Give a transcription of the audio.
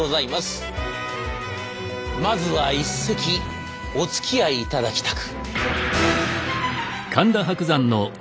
まずは一席おつきあいいただきたく。